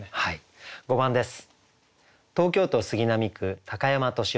５番です。